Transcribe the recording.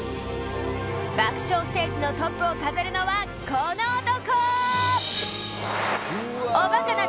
爆笑ステージのトップを飾るのはこの男！